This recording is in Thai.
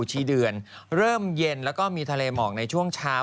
ชีเดือนเริ่มเย็นแล้วก็มีทะเลหมอกในช่วงเช้า